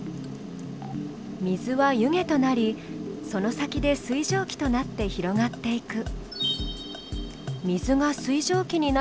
水は湯気となりその先で水蒸気となって広がっていく。